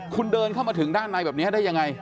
คุณเดินเข้ามาถึงด้านในแบบนี้ได้ยังไง